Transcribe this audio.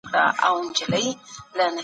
څوک د زندانونو وضعیت څاري؟